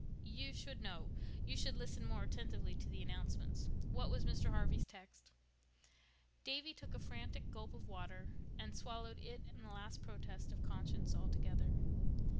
"You should know. You should listen more attentively to the announcements. What was Mr. Harvey's text?" Davy took a frantic gulp of water and swallowed it and the last protest of conscience together.